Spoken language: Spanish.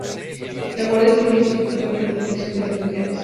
La Guardia Civil es responsable de la protección de las fronteras.